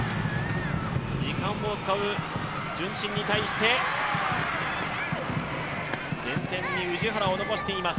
時間を使う順心に対して、前線に氏原を残しています。